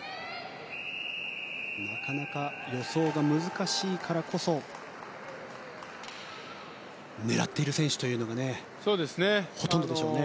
なかなか予想が難しいからこそ狙っている選手がほとんどでしょうね。